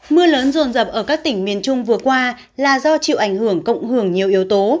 mưa lớn rồn rập ở các tỉnh miền trung vừa qua là do chịu ảnh hưởng cộng hưởng nhiều yếu tố